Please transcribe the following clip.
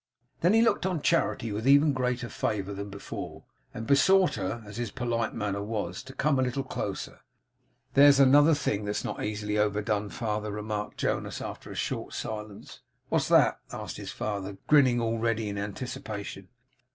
Then he looked on Charity with even greater favour than before, and besought her, as his polite manner was, to 'come a little closer.' 'There's another thing that's not easily overdone, father,' remarked Jonas, after a short silence. 'What's that?' asked the father; grinning already in anticipation.